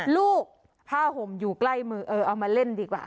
ลูกผ้าห่มอยู่ใกล้มือเออเอามาเล่นดีกว่า